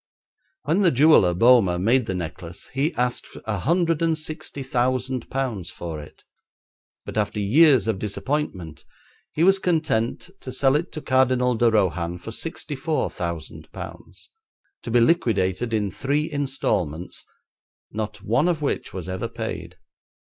When the jeweller Boehmer made the necklace he asked a hundred and sixty thousand pounds for it, but after years of disappointment he was content to sell it to Cardinal de Rohan for sixty four thousand pounds, to be liquidated in three instalments, not one of which was ever paid.